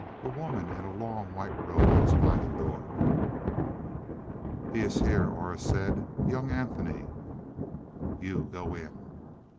A woman in a long white robe was by the door. "He is here," Aura said. "Young Anthony." "You go in."